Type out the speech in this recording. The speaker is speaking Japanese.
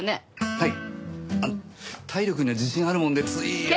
はい。